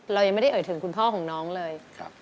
เรายังไม่ได้เอ่ยถึงคุณพ่อของน้องเลย